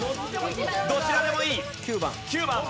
どちらでもいい。